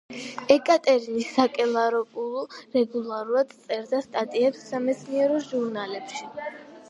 ეკატერინი საკელაროპულუ რეგულარულად წერდა სტატიებს სამეცნიერო ჟურნალებში.